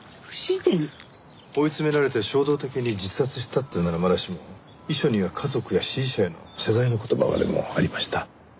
追い詰められて衝動的に自殺したっていうならまだしも遺書には家族や支持者への謝罪の言葉までもありました。